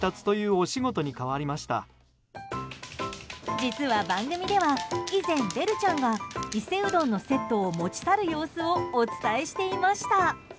実は番組では以前、ベルちゃんが伊勢うどんのセットを持ち去る様子をお伝えしていました。